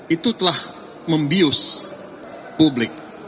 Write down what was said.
itu telah membius publik